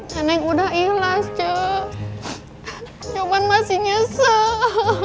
nenek udah ilas coba masih nyesel